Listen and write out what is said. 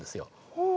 ほう。